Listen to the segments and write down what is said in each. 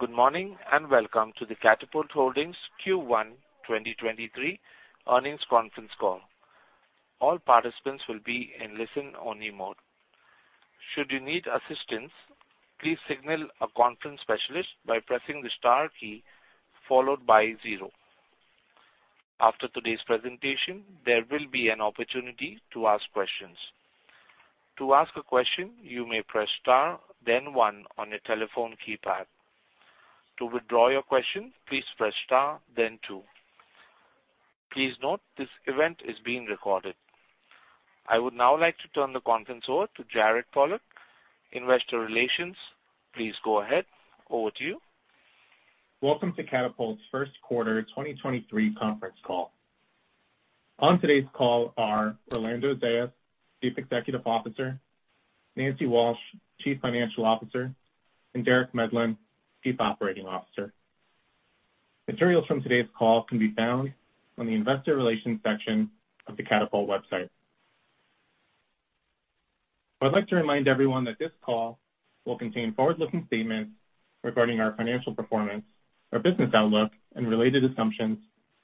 Good morning, and welcome to the Katapult Holdings Q1 2023 earnings conference call. All participants will be in listen-only mode. Should you need assistance, please signal a conference specialist by pressing the star key followed by 0. After today's presentation, there will be an opportunity to ask questions. To ask a question, you may press Star then 1 on your telephone keypad. To withdraw your question, please press Star then 2. Please note this event is being recorded. I would now like to turn the conference over to Jared Pollack, Investor Relations. Please go ahead. Over to you. Welcome to Katapult's first quarter 2023 conference call. On today's call are Orlando Zayas, Chief Executive Officer, Nancy Walsh, Chief Financial Officer, and Derek Medlin, Chief Operating Officer. Materials from today's call can be found on the investor relations section of the Katapult website. I'd like to remind everyone that this call will contain forward-looking statements regarding our financial performance or business outlook and related assumptions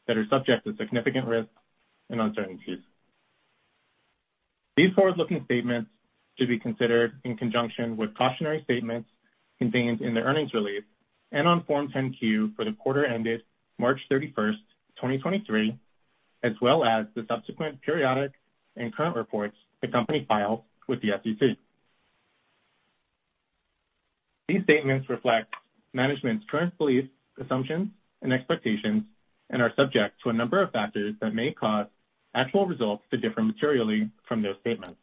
that are subject to significant risks and uncertainties. These forward-looking statements should be considered in conjunction with cautionary statements contained in the earnings release and on Form 10-Q for the quarter ended March 31st, 2023, as well as the subsequent periodic and current reports the company files with the SEC. These statements reflect management's current beliefs, assumptions, and expectations and are subject to a number of factors that may cause actual results to differ materially from those statements.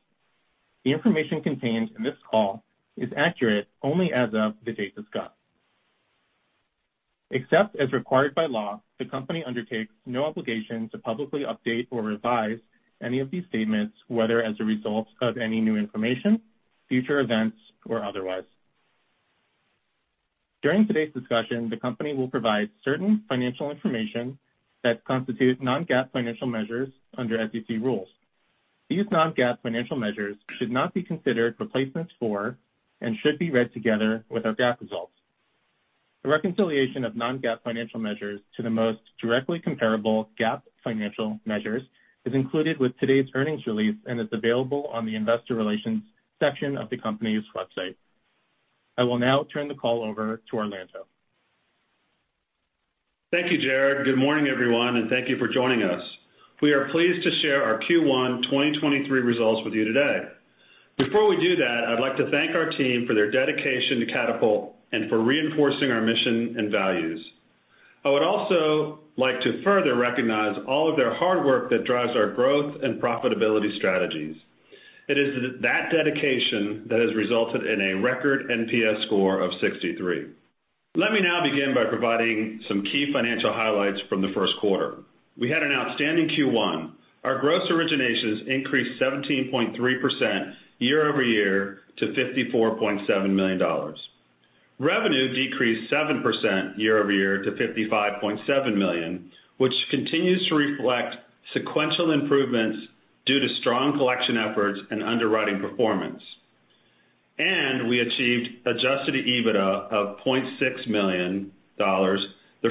The information contained in this call is accurate only as of the date discussed. Except as required by law, the company undertakes no obligation to publicly update or revise any of these statements, whether as a result of any new information, future events, or otherwise. During today's discussion, the company will provide certain financial information that constitutes non-GAAP financial measures under SEC rules. These non-GAAP financial measures should not be considered replacements for and should be read together with our GAAP results. The reconciliation of non-GAAP financial measures to the most directly comparable GAAP financial measures is included with today's earnings release and is available on the investor relations section of the company's website. I will now turn the call over to Orlando. Thank you, Jared. Good morning, everyone, and thank you for joining us. We are pleased to share our Q1 2023 results with you today. Before we do that, I'd like to thank our team for their dedication to Katapult and for reinforcing our mission and values. I would also like to further recognize all of their hard work that drives our growth and profitability strategies. It is that dedication that has resulted in a record NPS score of 63. Let me now begin by providing some key financial highlights from the first quarter. We had an outstanding Q1. Our gross originations increased 17.3% year-over-year to $54.7 million. Revenue decreased 7% year-over-year to $55.7 million, which continues to reflect sequential improvements due to strong collection efforts and underwriting performance. We achieved adjusted EBITDA of $0.6 million, the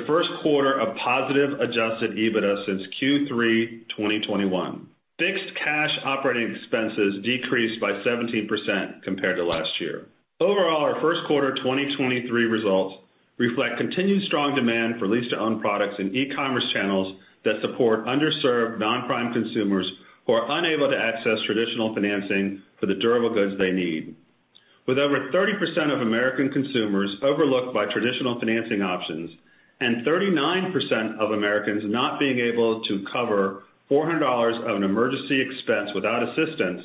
first quarter of positive adjusted EBITDA since Q3 2021. Fixed cash operating expenses decreased by 17% compared to last year. Overall, our first quarter 2023 results reflect continued strong demand for lease-to-own products in e-commerce channels that support underserved non-prime consumers who are unable to access traditional financing for the durable goods they need. With over 30% of American consumers overlooked by traditional financing options and 39% of Americans not being able to cover $400 of an emergency expense without assistance,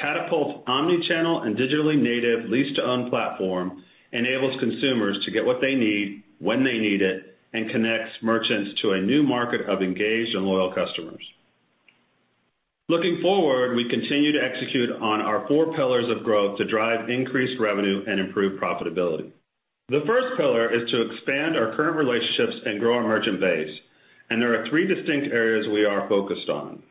Katapult's omnichannel and digitally native lease-to-own platform enables consumers to get what they need when they need it and connects merchants to a new market of engaged and loyal customers. Looking forward, we continue to execute on our four pillars of growth to drive increased revenue and improve profitability. The first pillar is to expand our current relationships and grow our merchant base. There are 3 distinct areas we are focused on.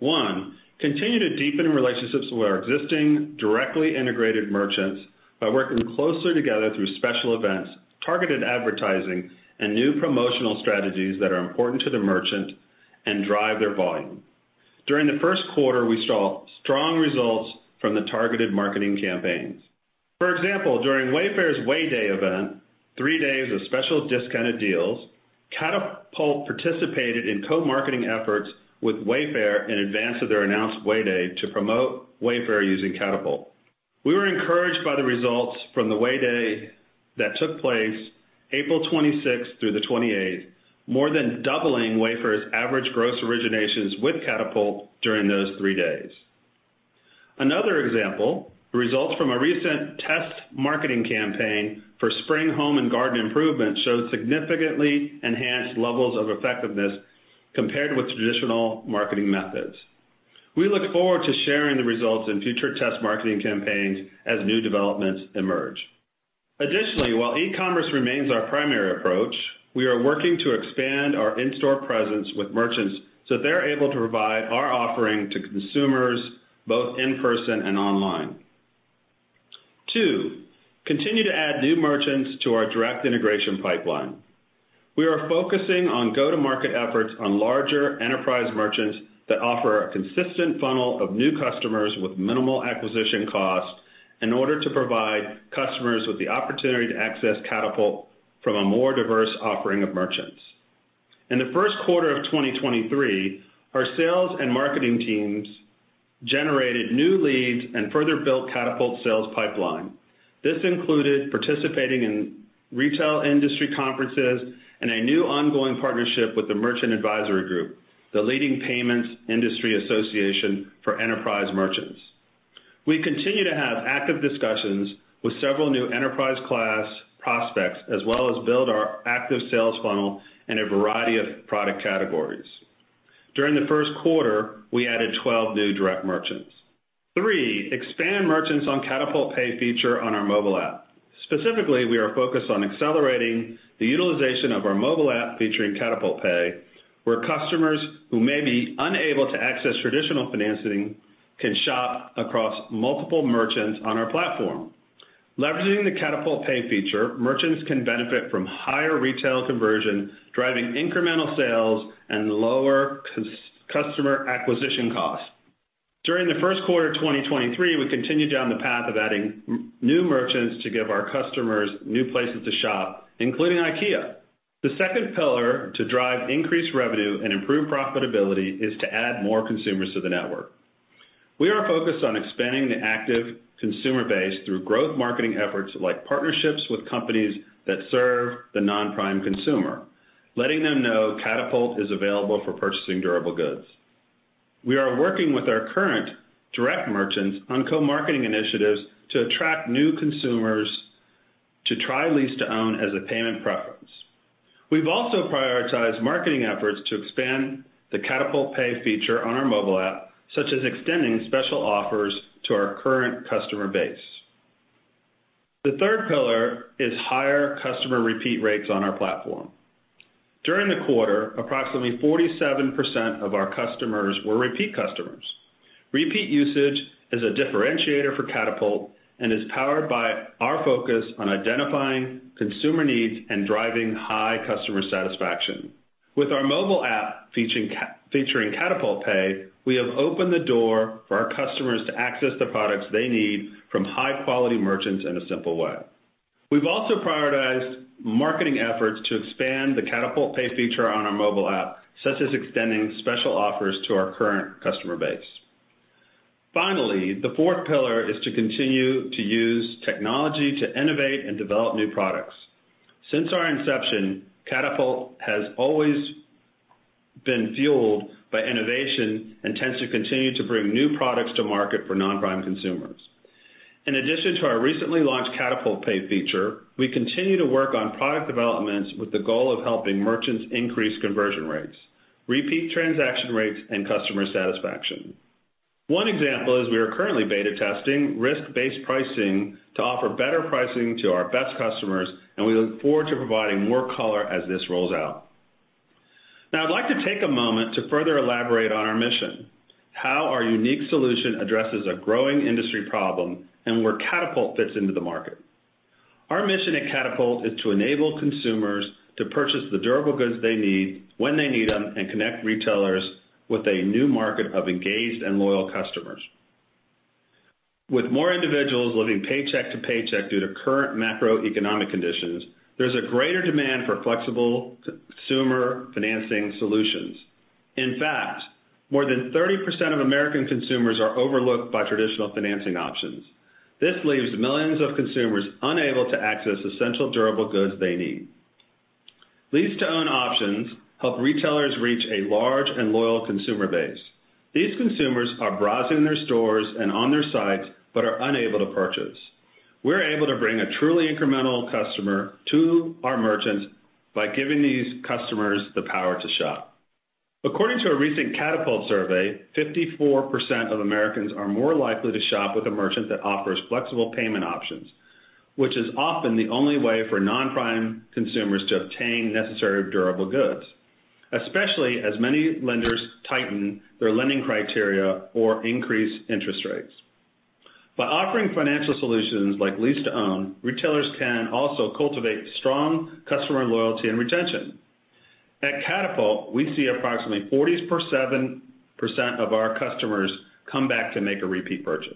One, continue to deepen relationships with our existing directly integrated merchants by working closely together through special events, targeted advertising, and new promotional strategies that are important to the merchant and drive their volume. During the first quarter, we saw strong results from the targeted marketing campaigns. For example, during Wayfair's Way Day event, 3 days of special discounted deals, Katapult participated in co-marketing efforts with Wayfair in advance of their announced Way Day to promote Wayfair using Katapult. We were encouraged by the results from the Way Day that took place April 26th through the 28th, more than doubling Wayfair's average gross originations with Katapult during those 3 days. Another example, results from a recent test marketing campaign for spring home and garden improvement showed significantly enhanced levels of effectiveness compared with traditional marketing methods. We look forward to sharing the results in future test marketing campaigns as new developments emerge. While e-commerce remains our primary approach, we are working to expand our in-store presence with merchants so they're able to provide our offering to consumers both in person and online.2. Continue to add new merchants to our direct integration pipeline. We are focusing on go-to-market efforts on larger enterprise merchants that offer a consistent funnel of new customers with minimal acquisition costs in order to provide customers with the opportunity to access Katapult from a more diverse offering of merchants. In the first quarter of 2023, our sales and marketing teams generated new leads and further built Katapult sales pipeline. This included participating in retail industry conferences and a new ongoing partnership with the Merchant Advisory Group, the leading payments industry association for enterprise merchants. We continue to have active discussions with several new enterprise class prospects as well as build our active sales funnel in a variety of product categories. During the first quarter, we added 12 new direct merchants. 3, expand merchants on Katapult Pay feature on our mobile app. Specifically, we are focused on accelerating the utilization of our mobile app featuring Katapult Pay, where customers who may be unable to access traditional financing can shop across multiple merchants on our platform. Leveraging the Katapult Pay feature, merchants can benefit from higher retail conversion, driving incremental sales and lower customer acquisition costs. During the first quarter of 2023, we continued down the path of adding new merchants to give our customers new places to shop, including IKEA. The second pillar to drive increased revenue and improve profitability is to add more consumers to the network. We are focused on expanding the active consumer base through growth marketing efforts like partnerships with companies that serve the non-prime consumer, letting them know Katapult is available for purchasing durable goods. We are working with our current direct merchants on co-marketing initiatives to attract new consumers to try lease-to-own as a payment preference. We've also prioritized marketing efforts to expand the Katapult Pay feature on our mobile app, such as extending special offers to our current customer base. The third pillar is higher customer repeat rates on our platform. During the quarter, approximately 47% of our customers were repeat customers. Repeat usage is a differentiator for Katapult and is powered by our focus on identifying consumer needs and driving high customer satisfaction. With our mobile app featuring Katapult Pay, we have opened the door for our customers to access the products they need from high-quality merchants in a simple way. We've also prioritized marketing efforts to expand the Katapult Pay feature on our mobile app, such as extending special offers to our current customer base. The fourth pillar is to continue to use technology to innovate and develop new products. Since our inception, Katapult has always been fueled by innovation and tends to continue to bring new products to market for non-prime consumers. In addition to our recently launched Katapult Pay feature, we continue to work on product developments with the goal of helping merchants increase conversion rates, repeat transaction rates, and customer satisfaction. One example is we are currently beta testing risk-based pricing to offer better pricing to our best customers, and we look forward to providing more color as this rolls out. Now, I'd like to take a moment to further elaborate on our mission, how our unique solution addresses a growing industry problem, and where Katapult fits into the market. Our mission at Katapult is to enable consumers to purchase the durable goods they need when they need them and connect retailers with a new market of engaged and loyal customers. With more individuals living paycheck to paycheck due to current macroeconomic conditions, there's a greater demand for flexible consumer financing solutions. In fact, more than 30% of American consumers are overlooked by traditional financing options. This leaves millions of consumers unable to access essential durable goods they need. Lease-to-own options help retailers reach a large and loyal consumer base. These consumers are browsing their stores and on their sites but are unable to purchase. We're able to bring a truly incremental customer to our merchants by giving these customers the power to shop. According to a recent Katapult survey, 54% of Americans are more likely to shop with a merchant that offers flexible payment options, which is often the only way for non-prime consumers to obtain necessary durable goods, especially as many lenders tighten their lending criteria or increase interest rates. By offering financial solutions like lease-to-own, retailers can also cultivate strong customer loyalty and retention. At Katapult, we see approximately 47% of our customers come back to make a repeat purchase.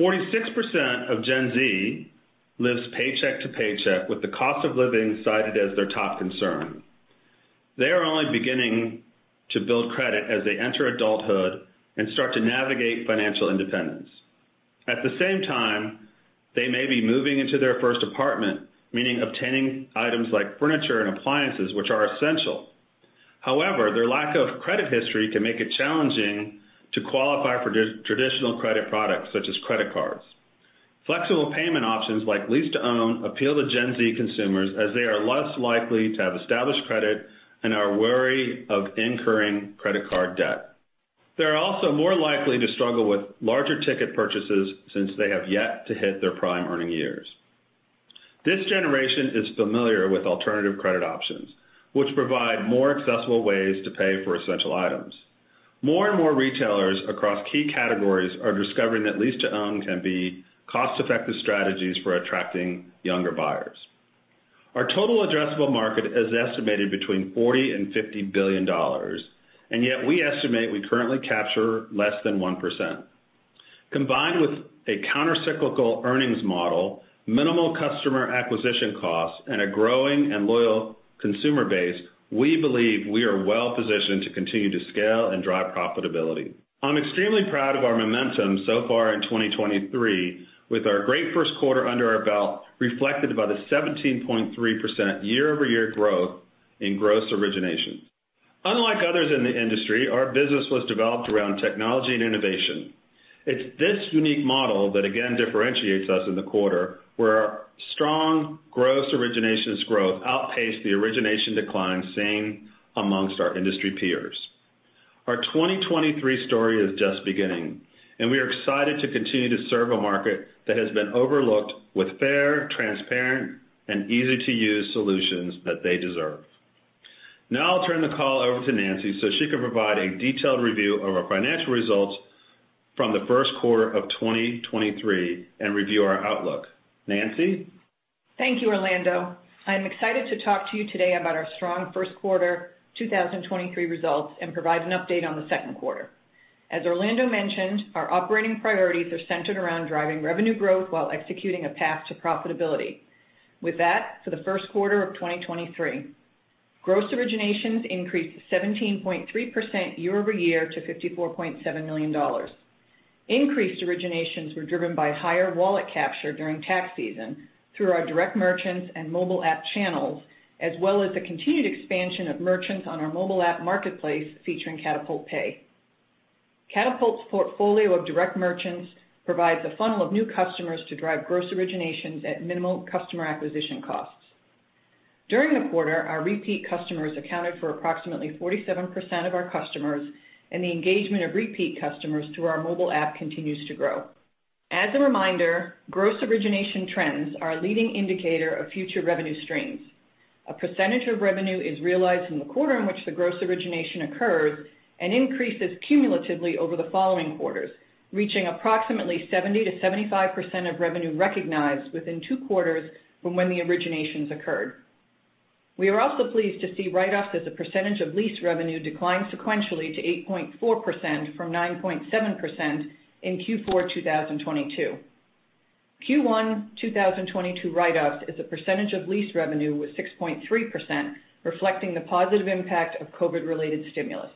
46% of Gen Z lives paycheck to paycheck with the cost of living cited as their top concern. They are only beginning to build credit as they enter adulthood and start to navigate financial independence. At the same time, they may be moving into their first apartment, meaning obtaining items like furniture and appliances, which are essential. Their lack of credit history can make it challenging to qualify for traditional credit products, such as credit cards. Flexible payment options like lease-to-own appeal to Gen Z consumers as they are less likely to have established credit and are wary of incurring credit card debt. They are also more likely to struggle with larger ticket purchases since they have yet to hit their prime earning years. This generation is familiar with alternative credit options, which provide more accessible ways to pay for essential items. More and more retailers across key categories are discovering that lease-to-own can be cost-effective strategies for attracting younger buyers. Our total addressable market is estimated between $40 billion and $50 billion, and yet we estimate we currently capture less than 1%. Combined with a countercyclical earnings model, minimal customer acquisition costs, and a growing and loyal consumer base, we believe we are well-positioned to continue to scale and drive profitability. I'm extremely proud of our momentum so far in 2023, with our great first quarter under our belt reflected by the 17.3% year-over-year growth in gross originations. Unlike others in the industry, our business was developed around technology and innovation. It's this unique model that again differentiates us in the quarter, where our strong gross originations growth outpaced the origination decline seen amongst our industry peers. Our 2023 story is just beginning, and we are excited to continue to serve a market that has been overlooked with fair, transparent, and easy-to-use solutions that they deserve. Now I'll turn the call over to Nancy so she can provide a detailed review of our financial results from the first quarter of 2023 and review our outlook. Nancy? Thank you, Orlando. I'm excited to talk to you today about our strong first quarter 2023 results and provide an update on the second quarter. As Orlando mentioned, our operating priorities are centered around driving revenue growth while executing a path to profitability. With that, for the first quarter of 2023, gross originations increased 17.3% year-over-year to $54.7 million. Increased originations were driven by higher wallet capture during tax season through our direct merchants and mobile app channels, as well as the continued expansion of merchants on our mobile app marketplace featuring Katapult Pay. Katapult's portfolio of direct merchants provides a funnel of new customers to drive gross originations at minimal customer acquisition costs. During the quarter, our repeat customers accounted for approximately 47% of our customers, and the engagement of repeat customers through our mobile app continues to grow. As a reminder, gross origination trends are a leading indicator of future revenue streams. A percentage of revenue is realized in the quarter in which the gross origination occurs and increases cumulatively over the following quarters, reaching approximately 70%-75% of revenue recognized within 2 quarters from when the originations occurred. We are also pleased to see write-offs as a percentage of lease revenue declined sequentially to 8.4% from 9.7% in Q4 2022. Q1 2022 write-offs as a percentage of lease revenue was 6.3%, reflecting the positive impact of COVID-related stimulus.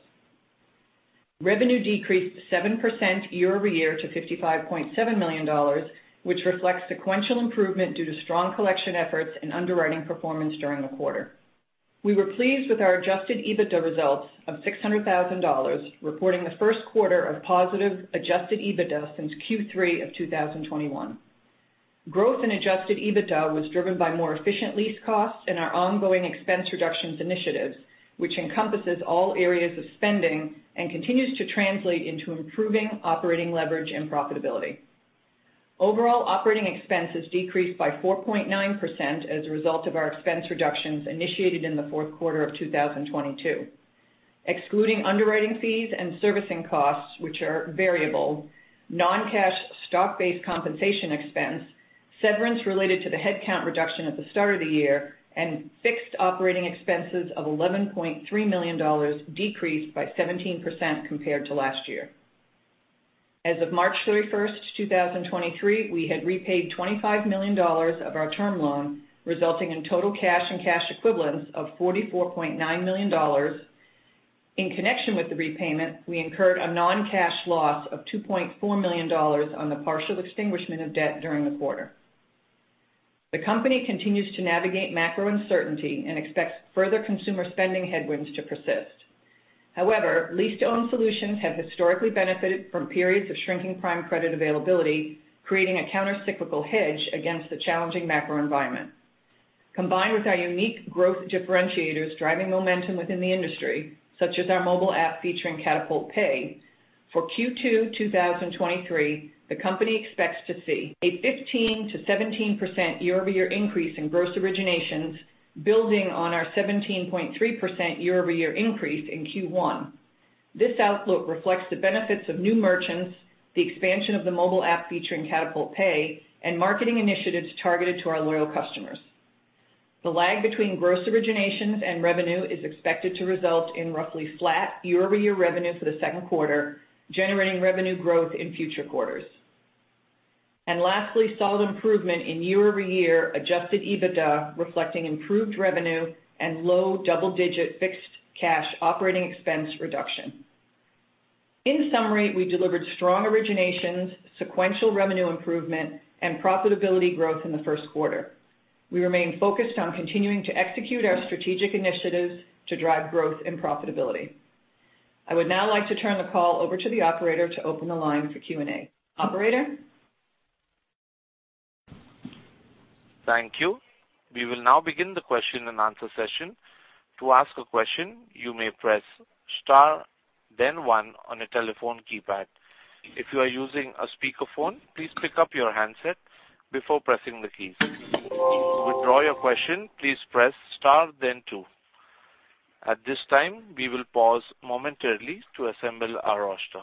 Revenue decreased 7% year-over-year to $55.7 million, which reflects sequential improvement due to strong collection efforts and underwriting performance during the quarter. We were pleased with our adjusted EBITDA results of $600,000, reporting the first quarter of positive adjusted EBITDA since Q3 of 2021. Growth in adjusted EBITDA was driven by more efficient lease costs and our ongoing expense reductions initiatives, which encompasses all areas of spending and continues to translate into improving operating leverage and profitability. Overall operating expenses decreased by 4.9% as a result of our expense reductions initiated in the fourth quarter of 2022. Excluding underwriting fees and servicing costs, which are variable, non-cash stock-based compensation expense, severance related to the headcount reduction at the start of the year, and fixed operating expenses of $11.3 million decreased by 17% compared to last year. As of March 31, 2023, we had repaid $25 million of our term loan, resulting in total cash and cash equivalents of $44.9 million. In connection with the repayment, we incurred a non-cash loss of $2.4 million on the partial extinguishment of debt during the quarter. The company continues to navigate macro uncertainty and expects further consumer spending headwinds to persist. However, lease-to-own solutions have historically benefited from periods of shrinking prime credit availability, creating a countercyclical hedge against the challenging macro environment. Combined with our unique growth differentiators driving momentum within the industry, such as our mobile app featuring Katapult Pay, for Q2 2023, the company expects to see a 15%-17% year-over-year increase in gross originations building on our 17.3% year-over-year increase in Q1. This outlook reflects the benefits of new merchants, the expansion of the mobile app featuring Katapult Pay, and marketing initiatives targeted to our loyal customers. The lag between gross originations and revenue is expected to result in roughly flat year-over-year revenue for the second quarter, generating revenue growth in future quarters. Lastly, solid improvement in year-over-year adjusted EBITDA reflecting improved revenue and low double-digit fixed cash operating expense reduction. In summary, we delivered strong originations, sequential revenue improvement, and profitability growth in the first quarter. We remain focused on continuing to execute our strategic initiatives to drive growth and profitability. I would now like to turn the call over to the operator to open the line for Q&A. Operator? Thank you. We will now begin the question and answer session. To ask a question, you may press star Then 1 on a telephone keypad. If you are using a speakerphone, please pick up your handset before pressing the keys. To withdraw your question, please press star then 2. At this time, we will pause momentarily to assemble our roster.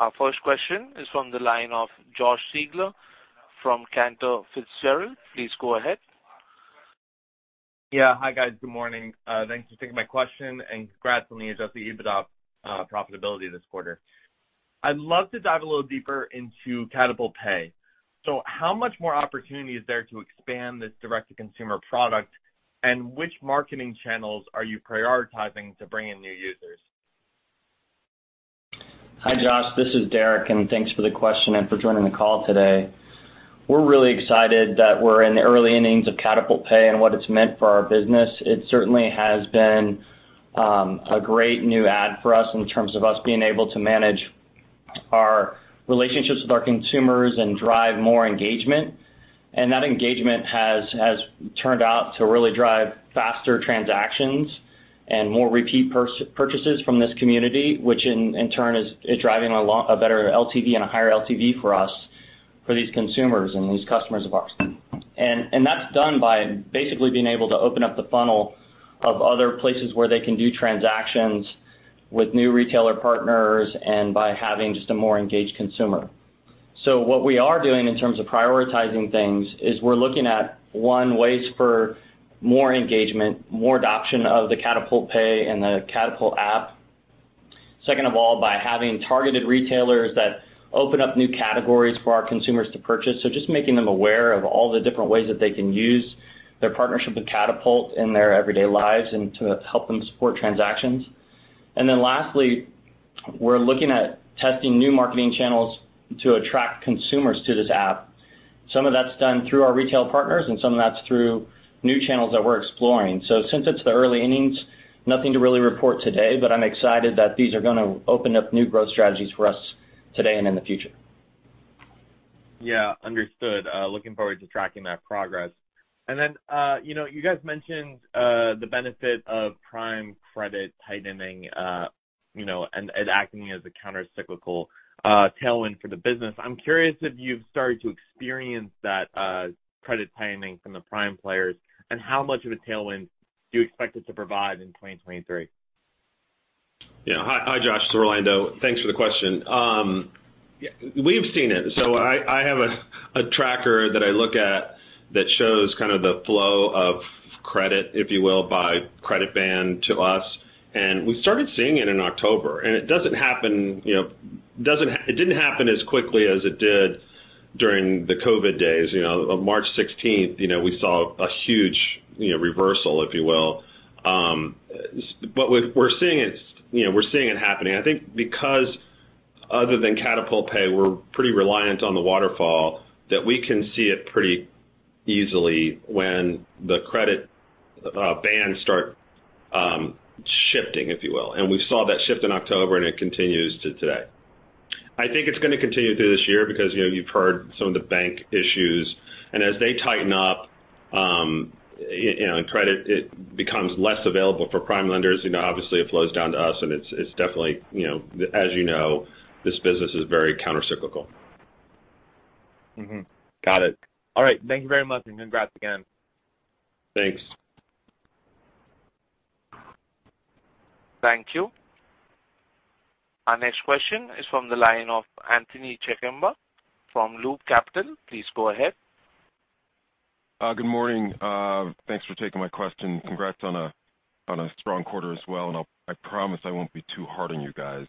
Our first question is from the line of Josh Siegler from Cantor Fitzgerald. Please go ahead. Yeah. Hi, guys. Good morning. Thanks for taking my question, and congrats on the adjusted EBITDA profitability this quarter. I'd love to dive a little deeper into Katapult Pay. How much more opportunity is there to expand this direct-to-consumer product, and which marketing channels are you prioritizing to bring in new users? Hi, Josh. This is Derek. Thanks for the question and for joining the call today. We're really excited that we're in the early innings of Katapult Pay and what it's meant for our business. It certainly has been a great new ad for us in terms of us being able to manage our relationships with our consumers and drive more engagement. That engagement has turned out to really drive faster transactions and more repeat purchases from this community, which in turn is driving a better LTV and a higher LTV for us for these consumers and these customers of ours. That's done by basically being able to open up the funnel of other places where they can do transactions with new retailer partners and by having just a more engaged consumer. What we are doing in terms of prioritizing things is we're looking at, one, ways for more engagement, more adoption of the Katapult Pay and the Katapult app. Second of all, by having targeted retailers that open up new categories for our consumers to purchase. Just making them aware of all the different ways that they can use their partnership with Katapult in their everyday lives and to help them support transactions. Lastly, we're looking at testing new marketing channels to attract consumers to this app. Some of that's done through our retail partners, and some of that's through new channels that we're exploring. Since it's the early innings, nothing to really report today, but I'm excited that these are gonna open up new growth strategies for us today and in the future. Yeah, understood. looking forward to tracking that progress. you know, you guys mentioned, the benefit of Prime credit tightening, you know, and it acting as a counter-cyclical tailwind for the business. I'm curious if you've started to experience that, credit tightening from the Prime players and how much of a tailwind do you expect it to provide in 2023? Yeah. Hi, Josh. It's Orlando. Thanks for the question. Yeah, we've seen it. I have a tracker that I look at that shows kind of the flow of credit, if you will, by credit band to us. We started seeing it in October. It doesn't happen, you know, it didn't happen as quickly as it did during the COVID days. You know, on March 16th, you know, we saw a huge, you know, reversal, if you will. but we're seeing it, you know, we're seeing it happening. I think because other than Katapult Pay, we're pretty reliant on the waterfall that we can see it pretty easily when the credit bans start shifting, if you will. We saw that shift in October, and it continues to today. I think it's gonna continue through this year because, you know, you've heard some of the bank issues. As they tighten up, you know, credit, it becomes less available for Prime lenders. You know, obviously, it flows down to us and it's definitely, you know, as you know, this business is very countercyclical. Mm-hmm. Got it. All right. Thank you very much, and congrats again. Thanks. Thank you. Our next question is from the line of Anthony Chukumba from Loop Capital. Please go ahead. Good morning. Thanks for taking my question. Congrats on a strong quarter as well. I promise I won't be too hard on you guys.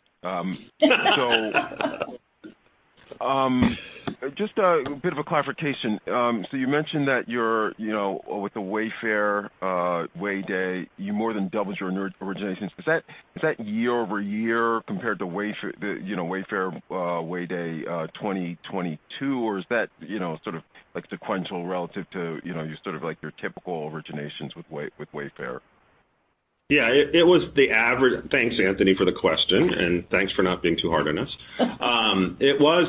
Just a bit of a clarification. You mentioned that your, you know, with the Wayfair Way Day, you more than doubled your new originations. Is that year-over-year compared to, you know, Wayfair Way Day 2022? Is that, you know, sort of like sequential relative to, you know, your sort of like your typical originations with Wayfair? Yeah. It was the average. Thanks, Anthony, for the question, and thanks for not being too hard on us. It was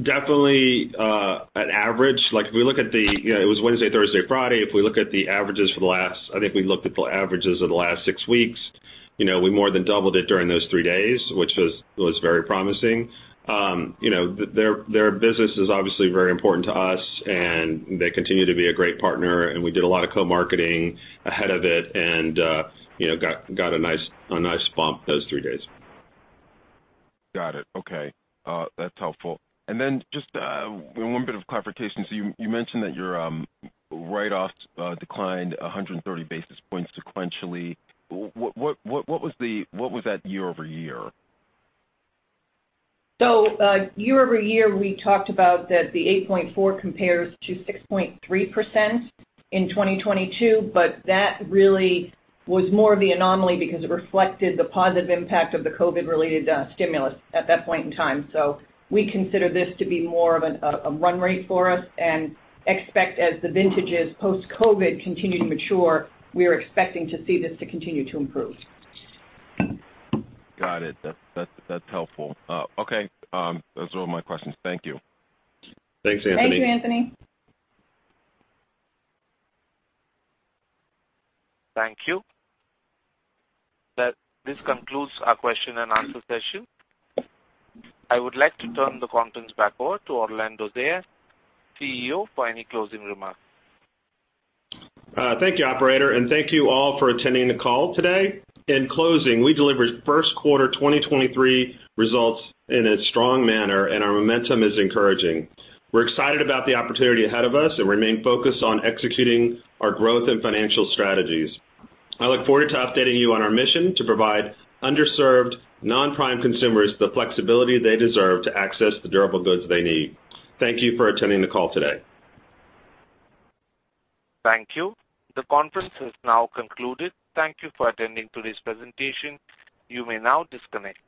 definitely an average. Like, if we look at the. You know, it was Wednesday, Thursday, Friday. If we look at the averages for the last six weeks. You know, we more than doubled it during those three days, which was very promising. You know, their business is obviously very important to us, and they continue to be a great partner, and we did a lot of co-marketing ahead of it and, you know, got a nice bump those three days. Got it. Okay. That's helpful. Just one bit of clarification. You mentioned that your write-offs declined 130 basis points sequentially. What was that year-over-year? Year-over-year, we talked about that the 8.4 compares to 6.3% in 2022, but that really was more of the anomaly because it reflected the positive impact of the COVID-related stimulus at that point in time. We consider this to be more of a run rate for us and expect as the vintages post-COVID continue to mature, we're expecting to see this to continue to improve. Got it. That's helpful. Okay. Those are all my questions. Thank you. Thanks, Anthony. Thank you, Anthony. Thank you. This concludes our question and answer session. I would like to turn the conference back over to Orlando Zayas, CEO, for any closing remarks. Thank you, operator, and thank you all for attending the call today. In closing, we delivered first quarter 2023 results in a strong manner, our momentum is encouraging. We're excited about the opportunity ahead of us and remain focused on executing our growth and financial strategies. I look forward to updating you on our mission to provide underserved non-Prime consumers the flexibility they deserve to access the durable goods they need. Thank you for attending the call today. Thank you. The conference has now concluded. Thank you for attending today's presentation. You may now disconnect.